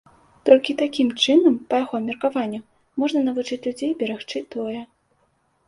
Толькі такім чынам, па яго меркаванню, можна навучыць людзей берагчы тое.